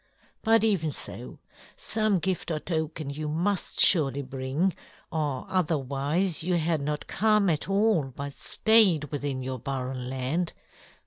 But even so, some gift or token you must surely bring, or otherwise you had not come at all but stayed within your barren land.